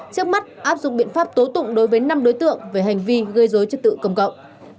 trước mắt áp dụng biện pháp tố tụng đối với năm đối tượng về hành vi gây dối trật tự công cộng